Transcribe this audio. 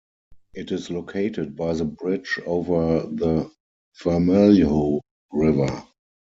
It is located by the bridge over the Vermelho River.